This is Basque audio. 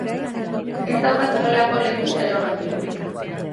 Ez daukat horrelako leku erromantikorik.